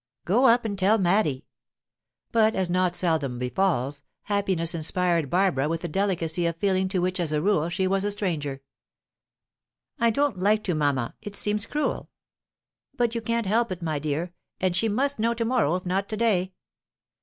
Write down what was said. "Go up and tell Maddy!" But, as not seldom befalls, happiness inspired Barbara with a delicacy of feeling to which as a rule she was a stranger. "I don't like to, mamma. It seems cruel." "But you can't help it, my dear; and she must know tomorrow if not to day."